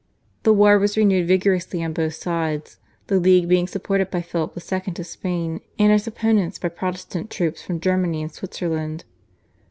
The war was renewed vigorously on both sides, the League being supported by Philip II. of Spain and its opponents by Protestant troops from Germany and Switzerland.